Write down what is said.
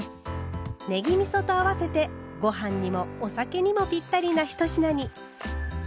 ねぎみそと合わせてごはんにもお酒にもピッタリな一品に。